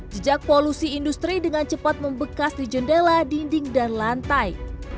jejak polusi industri dengan cepat membekas di jendela dinding dan lantai